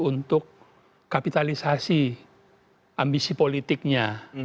untuk kapitalisasi ambisi politiknya